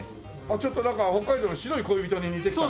ちょっとなんか北海道の白い恋人に似てきたね。